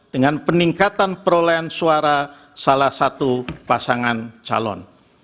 dengan peningkatan perolehan suara salah satu pasangan calon